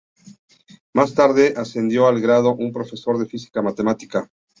Más tarde ascendió al grado un profesor de física matemática.